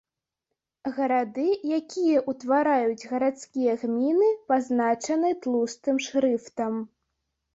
Гарады, якія ўтвараюць гарадскія гміны, пазначаны тлустым шрыфтам.